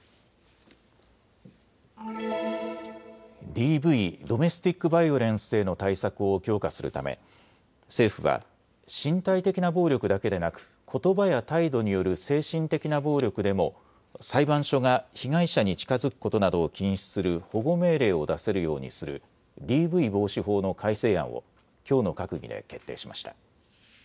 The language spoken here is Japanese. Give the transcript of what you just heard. ＤＶ・ドメスティックバイオレンスへの対策を強化するため政府は身体的な暴力だけでなくことばや態度による精神的な暴力でも裁判所が被害者に近づくことなどを禁止する保護命令を出せるようにするＤＶ防止法の改正案をきょうの閣議で決定しました。